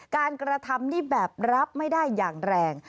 การกระทำนี่แบบรับไม่ได้อย่างแรง